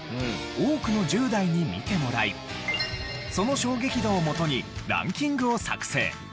多くの１０代に見てもらいその衝撃度をもとにランキングを作成。